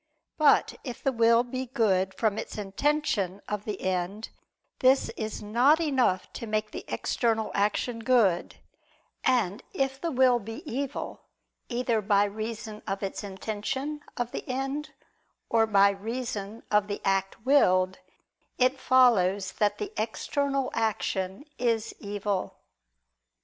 But if the will be good from its intention of the end, this is not enough to make the external action good: and if the will be evil either by reason of its intention of the end, or by reason of the act willed, it follows that the external action is evil.